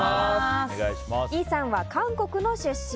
イさんは韓国の出身。